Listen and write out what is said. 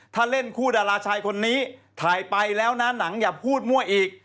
ถ้าเล่นคู่ดาราชายคนนี้ถ่ายไปแล้วนะหนังอย่าพูดมั่วอีก